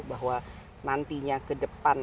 bahwa nantinya ke depan